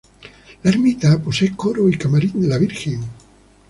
La ermita posee coro y camarín de la Virgen.